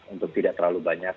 untuk tidak terlalu banyak